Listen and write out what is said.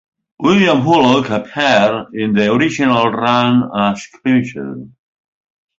William Bullock appeared in the original run as Clincher.